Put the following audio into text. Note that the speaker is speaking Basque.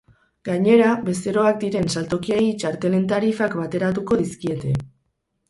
Gainera, bezeroak diren saltokiei txartelen tarifak bateratuko dizkiete.